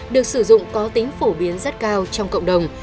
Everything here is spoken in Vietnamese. được sử dụng có tính phổ biến rất cao trong cộng đồng